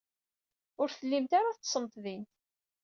Ur tellimt ara teḍḍsemt din.